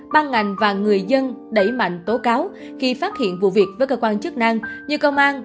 ban ngành và người dân đẩy mạnh tố cáo khi phát hiện vụ việc với cơ quan chức năng như công an